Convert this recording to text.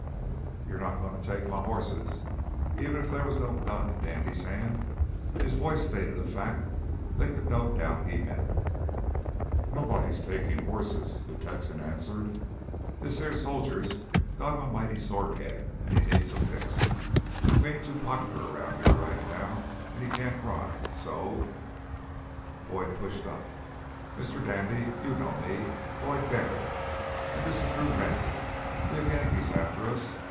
"You're not going to take my horses!" Even if there was no gun in Dandy's hand, his voice stated a fact they could not doubt he meant. "Nobody's takin' hosses," the Texan answered. "This heah soldier's got him a mighty sore head, an' he needs some fixin'. We ain't too popular round heah right now, an' he can't ride. So " Boyd pushed up. "Mr. Dandy, you know me Boyd Barrett. And this is Drew Rennie. We have Yankees after us.